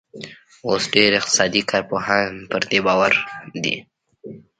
اوس ډېر اقتصادي کارپوهان پر دې باور دي